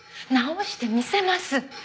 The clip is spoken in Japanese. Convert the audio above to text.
治してみせます！